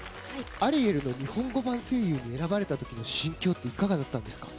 アリエルの日本語版声優に選ばれたという心境はいかがだったんですか？